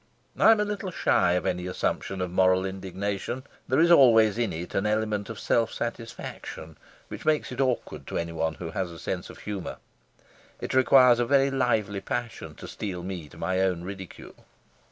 I am a little shy of any assumption of moral indignation; there is always in it an element of self satisfaction which makes it awkward to anyone who has a sense of humour. It requires a very lively passion to steel me to my own ridicule.